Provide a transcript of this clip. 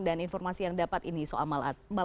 dan informasi yang dapat ini soal maladministrasi